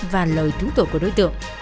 và lời thứng tổ của đối tượng